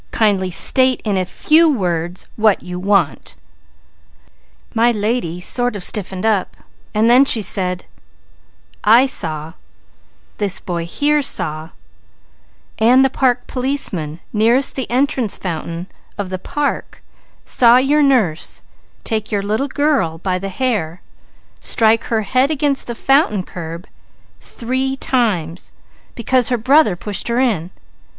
Kindly state in a few words what you want.' "My lady sort of stiffened up and then she said: 'I saw, this boy here saw, and the park policeman nearest the entrance fountain saw your nurse take your little girl by the hair, and strike her head against the fountain curb three times, because her brother pushed her in.